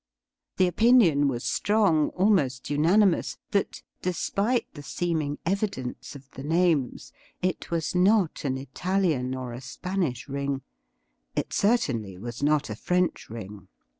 The opinion was strong, almost unanimous, that, despite the seeming evidence of the names, it w£is not an Italian or a Spanish ring. It certainly was not a French ring.